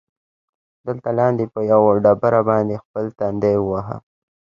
دلته لاندې، په یوه ډبره باندې خپل تندی ووهه.